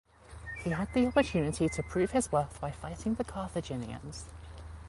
He had the opportunity to prove his worth by fighting the Carthaginians.